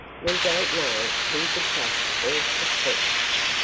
We don't know who to trust or suspect."